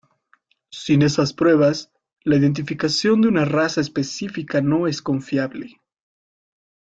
Sin esas pruebas, la identificación de una raza específica no es confiable.